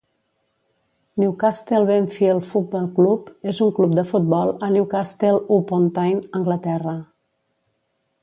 Newcastle Benfield Football Club és un club de futbol a Newcastle upon Tyne, Anglaterra.